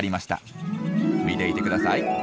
見ていてください。